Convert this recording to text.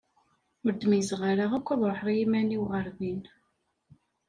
Ur d-meyyzeɣ ara yakk ad ruḥeɣ i iman-iw ɣer din.